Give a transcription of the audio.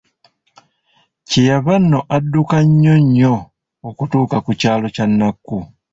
Kye yava nno adduka nnyo nnyo okutuuka ku kyalo kya Nakku.